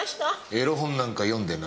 エロ本なんか読んでない。